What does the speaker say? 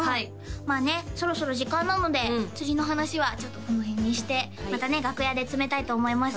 まあねそろそろ時間なので釣りの話はちょっとこの辺にしてまたね楽屋で詰めたいと思います